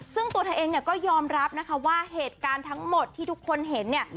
ซึ่งตัวเธอเองก็ยอมรับว่าเหตุการณ์ทั้งหมดที่ทุกคนเห็น